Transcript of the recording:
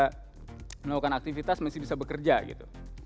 kita melakukan aktivitas masih bisa bekerja gitu